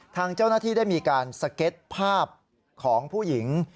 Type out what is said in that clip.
ทางเจ้าหน้าที่ได้มีการสเก็ตภาพของผู้หญิง